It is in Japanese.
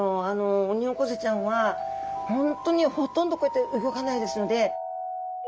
オニオコゼちゃんは本当にほとんどこうやって動かないですので。